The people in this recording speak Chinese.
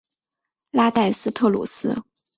拉代斯特鲁斯。